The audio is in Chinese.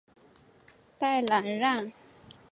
代兰让。